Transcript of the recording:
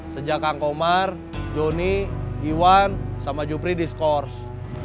sejak kang komar joni iwan sama jupri diskors